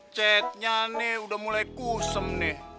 cetnya nih udah mulai kusam nih